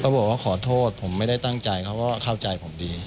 บอกว่าขอโทษผมไม่ได้ตั้งใจเขาก็เข้าใจผมดี